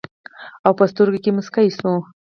او پۀ سترګو کښې مسکے شو